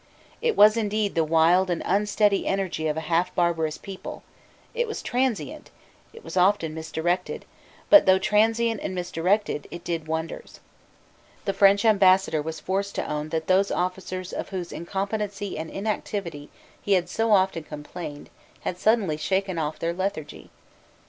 It was indeed the wild and unsteady energy of a half barbarous people: it was transient: it was often misdirected: but, though transient and misdirected, it did wonders. The French Ambassador was forced to own that those officers of whose incompetency and inactivity he had so often complained had suddenly shaken off their lethargy.